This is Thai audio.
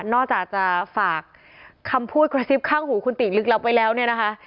นอกจากจะฝากคำพูดกระซิบข้างหูคุณติลึกลับไว้แล้วเนี่ยนะคะ